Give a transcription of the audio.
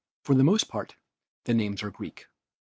For the most part the names are Greek.